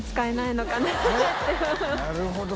なるほど。